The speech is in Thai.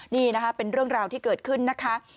นี่นะคะเป็นเรื่องราวที่เกิดขึ้นนะคะ